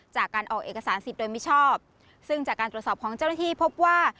จากการออกเอกสารสิทธิ์โดยมิชอบซึ่งจากการตรวจสอบของเจ้าหน้าที่พบว่า